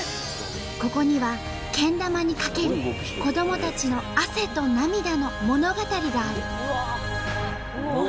ここにはけん玉に懸ける子どもたちの汗と涙の物語がある。